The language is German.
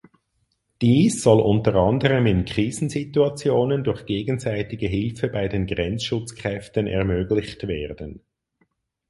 Dies soll unter anderem in Krisensituationen durch gegenseitige Hilfe bei den Grenzschutzkräften ermöglicht werden.